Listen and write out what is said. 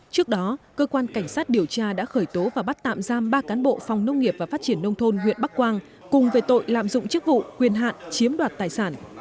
trước đó cơ quan cảnh sát điều tra đã khởi tố và bắt tạm giam ba cán bộ phòng nông nghiệp và phát triển nông thôn huyện bắc quang cùng về tội lạm dụng chức vụ quyền hạn chiếm đoạt tài sản